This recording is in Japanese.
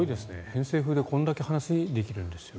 偏西風でこれだけ話ができるんですよ。